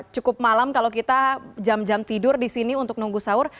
cukup malam kalau kita jam jam tidur di sini untuk nunggu sahur